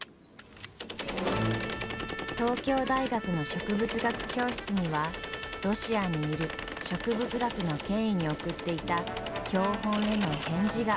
東京大学の植物学教室にはロシアにいる植物学の権威に送っていた標本への返事が届きました。